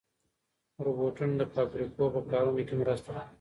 روبوټونه د فابریکو په کارونو کې مرسته کوي.